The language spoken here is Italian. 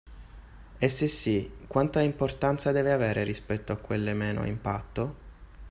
E se sì, quanta importanza deve avere rispetto a quelle meno "a impatto"?